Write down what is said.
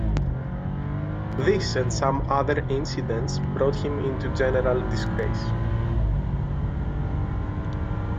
This and some other incidents brought him into general disgrace.